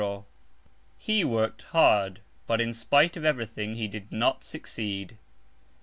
40. He worked hard, but in spite of everything he did not succeed.